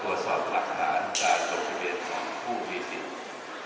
กดสอบหลักฐานการบริเวณของผู้มีสิทธิ์